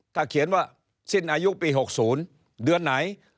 ถ้าเขียนว่าสิ้นอายุปี๖๐เดือนไหน